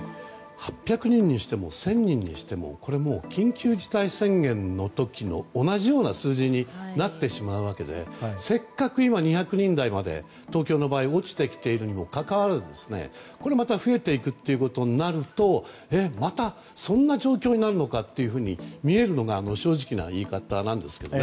８００人にしても１０００人にしても緊急事態宣言の時と同じような数字になってしまうわけでせっかく今、２００人台まで東京の場合は落ちてきているにもかかわらずまた増えていくということになるとえ、またそんな状況になるのかっていうふうに見えるのが正直な言い方なんですよね。